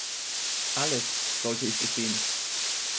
Alles sollte ich gestehen.